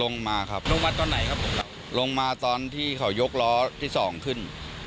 ลงมาครับลงมาตอนไหนครับผมลงมาตอนที่เขายกล้อที่สองขึ้น